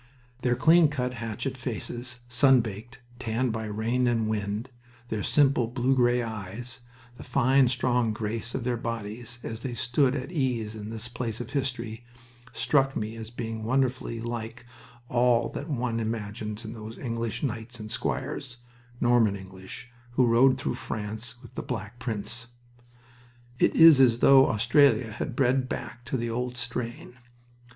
Their clean cut hatchet faces, sun baked, tanned by rain and wind, their simple blue gray eyes, the fine, strong grace of their bodies, as they stood at ease in this place of history, struck me as being wonderfully like all that one imagines of those English knights and squires Norman English who rode through France with the Black Prince. It is as though Australia had bred back to the old strain.